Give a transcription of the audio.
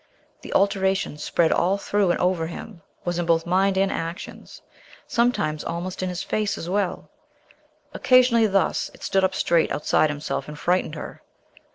The alteration spread all through and over him, was in both mind and actions, sometimes almost in his face as well. Occasionally, thus, it stood up straight outside himself and frightened her.